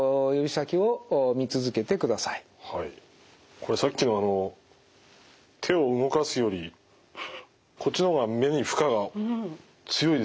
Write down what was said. これさっきの手を動かすよりこっちの方が目に負荷が強いですね。